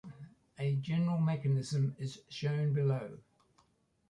A general mechanism is shown below.